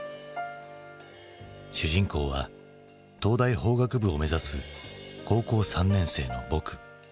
主人公は東大法学部を目指す高校３年生の「ぼく」。